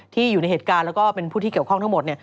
อยู่ในเหตุการณ์แล้วก็เป็นผู้ที่เกี่ยวข้องทั้งหมด